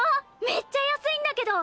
めっちゃ安いんだけど。